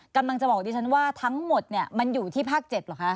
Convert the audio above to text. กำลังจะบอกดิฉันว่าทั้งหมดมันอยู่ที่ภาค๗เหรอคะ